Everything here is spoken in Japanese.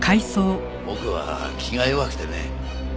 僕は気が弱くてね。